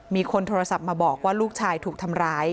มีคนโทรศัพท์มาบอกว่าลูกชายถูกทำร้าย